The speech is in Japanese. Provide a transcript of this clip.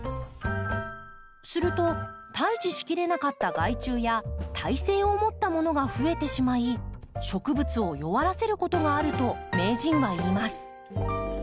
すると退治しきれなかった害虫や耐性をもったものがふえてしまい植物を弱らせることがあると名人は言います。